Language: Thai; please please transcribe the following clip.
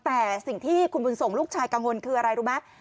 แต่สิ่งที่คุณบุญส่งลูกชายกังวลคืออะไรรู้ไหม